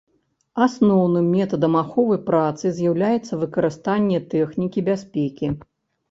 Асноўным метадам аховы працы з'яўляецца выкарыстанне тэхнікі бяспекі.